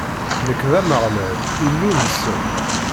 Nekk d Ameɣlal, Illu-nsen.